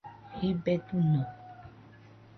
jibe duño